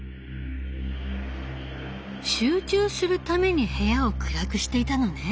集中するために部屋を暗くしていたのね。